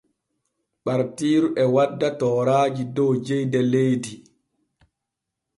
Ɓartiiru e wadda tooraaji dow jeyde leydi.